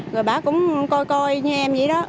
rồi bà cũng coi coi như em vậy đó